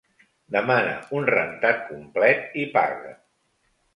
Demana un rentat complet i paga.